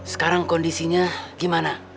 sekarang kondisinya gimana